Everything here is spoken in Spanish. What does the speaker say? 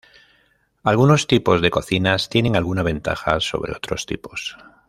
Algunos tipos de cocinas tienen alguna ventaja sobre otros tipos.